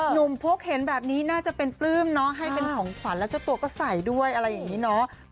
พกเห็นแบบนี้น่าจะเป็นปลื้มเนาะให้เป็นของขวัญแล้วเจ้าตัวก็ใส่ด้วยอะไรอย่างนี้เนาะ